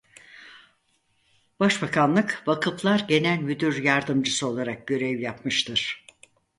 Başbakanlık Vakıflar Genel Müdür Yardımcısı olarak görev yapmıştır.